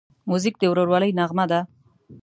موزیک د ورورولۍ نغمه ده.